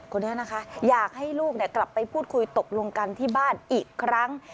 คนนี้นะคะอยากให้ลูกกลับไปพูดคุยตกลงกันที่บ้านอีกครั้ง